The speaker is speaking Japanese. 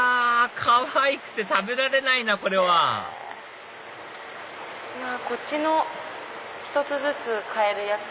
かわいくて食べられないなこれはこっち１つずつ買えるやつ。